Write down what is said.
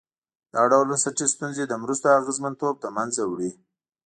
دا ډول بنسټي ستونزې د مرستو اغېزمنتوب له منځه وړي.